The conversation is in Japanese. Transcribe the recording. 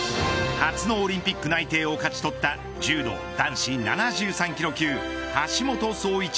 初のオリンピック内定を勝ち取った柔道男子７３キロ級橋本壮市